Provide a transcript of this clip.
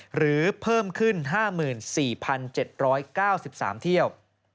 หรือเพิ่มขึ้น๕๔๗๙๓เที่ยว